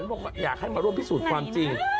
บอกอยากให้มาร่วมพิสูจน์ความจริง